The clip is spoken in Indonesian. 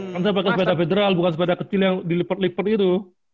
nanti pakai sepeda federal bukan sepeda kecil yang dilipet lipet itu